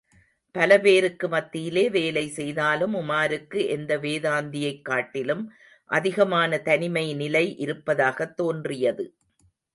பலபேருக்கு மத்தியிலே வேலை செய்தாலும், உமாருக்கு எந்த வேதாந்தியைக் காட்டிலும் அதிகமான தனிமைநிலை இருப்பதாகத் தோன்றியது.